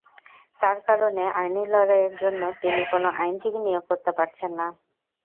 তাঁর কারণে আইনি লড়াইয়ের জন্য তিনি কোনো আইনজীবী নিয়োগ করতে পারছেন না।